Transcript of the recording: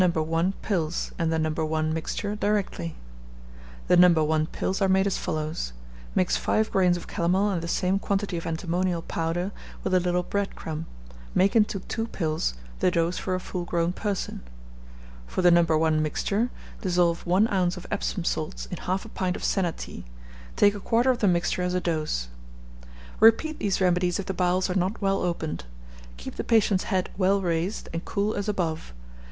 1 pills, and the No. 1 mixture directly. [The No. 1 pills are made as follows: Mix 5 grains of calomel and the same quantity of antimonial powder with a little bread crumb: make into two pills, the dose for a full grown person. For the No. 1 mixture, dissolve on ounce of Epsom salts in half a pint of senna tea: take a quarter of the mixture as a dose] Repeat these remedies if the bowels are not well opened. Keep the patient's head well raised, and cool as above.